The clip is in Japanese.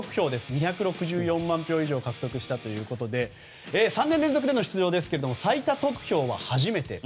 ２６４万票以上を獲得したということで３年連続での出場ですけれども最多得票は初めて。